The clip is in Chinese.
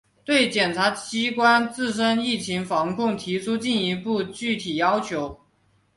对检察机关自身疫情防控提出进一步具体要求